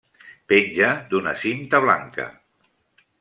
Penja d'una cinta blanca.